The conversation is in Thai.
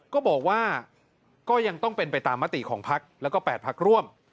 ก็บอกว่าก็ยังต้องเป็นไปตามมติของพักแล้วก็๘พักร่วม